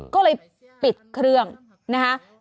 ก็เลยปิดเครื่องนะคะ